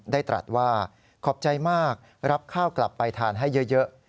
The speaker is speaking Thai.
ตรัสว่าขอบใจมากรับข้าวกลับไปทานให้เยอะ